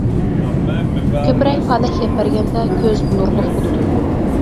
كۆپرەك پالەك يەپ بەرگەندە كۆز نۇرلۇق بولىدۇ.